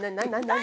何？